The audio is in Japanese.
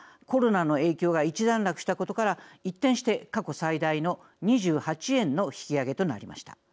一段落したことから一転して過去最大の２８円の引き上げとなりました。